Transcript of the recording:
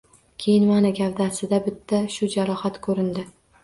Keyin, mana, gavdasida bitta shu jarohat ko‘rindi